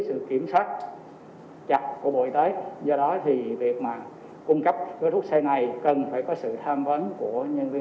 sự kiểm soát chặt của bộ y tế do đó việc cung cấp khối thuốc c này cần phải có sự tham vấn của nhân viên